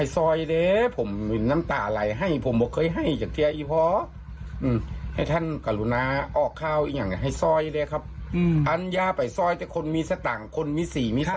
สมมุติว่าเป็นเฉรนภงใช่ไหม